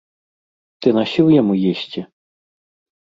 Ты насіў яму есці?